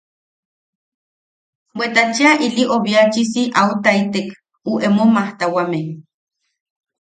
Bweta cheʼa ili obiachisi autaitek u emo majtawame.